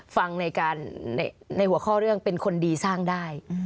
ฟังในการในหัวข้อเรื่องเป็นคนดีสร้างได้